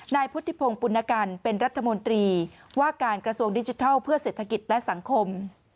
นายพุทธิพงศ์ปุณกันเป็นรัฐมนตรีว่าการกระทรวงดิจิทัลเพื่อเศรษฐกิจและสังคม